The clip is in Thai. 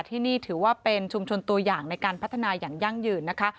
ที่นี่ถือว่าเป็นชุมชนตัวอย่างในการพัฒนาอย่างยั่งยืนนะคะ